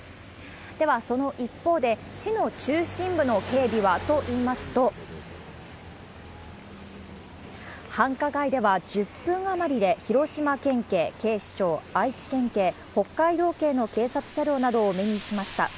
では、その一方で、市の中心部の警備はといいますと、繁華街では１０分余りで広島県警、警視庁、愛知県警、北海道警の警察車両などを目にしました。